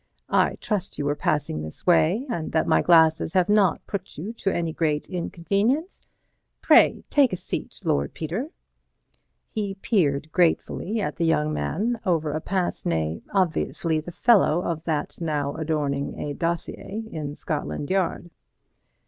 I trust you were passing this way, and that my glasses have not put you to any great inconvenience. Pray take a seat, Lord Peter." He peered gratefully at the young man over a pince nez obviously the fellow of that now adorning a dossier in Scotland Yard.